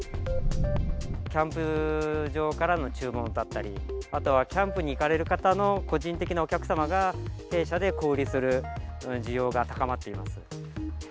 キャンプ場からの注文だったり、あとはキャンプに行かれる方の個人的なお客様が弊社で小売りする需要が高まっています。